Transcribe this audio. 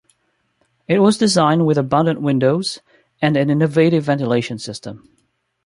It was designed with abundant windows and an innovative ventilation system.